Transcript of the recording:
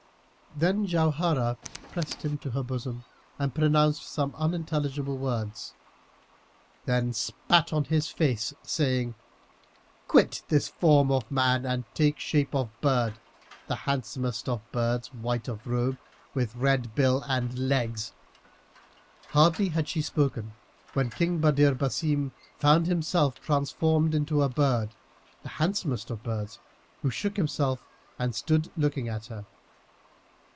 Then Jauharah pressed him to her bosom and pronounced some unintelligible words; then spat on his face, saying, "Quit this form of man and take shape of bird, the handsomest of birds, white of robe, with red bill and legs." Hardly had she spoken, when King Badr Basim found himself transformed into a bird, the handsomest of birds, who shook himself and stood looking at her.